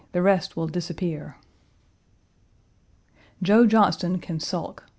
The rest will disappear." Joe Johnston can sulk.